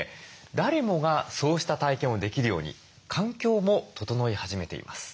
誰もがそうした体験をできるように環境も整い始めています。